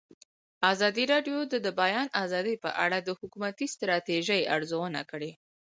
ازادي راډیو د د بیان آزادي په اړه د حکومتي ستراتیژۍ ارزونه کړې.